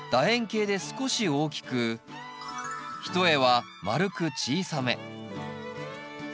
円形で少し大きく一重は丸く小さめ。